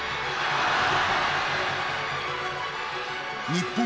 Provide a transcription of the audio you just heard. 日本